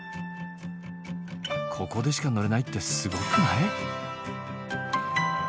ここでしか乗れないってすごくない？